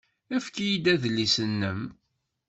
Efk-iyi-d adlis-nnem.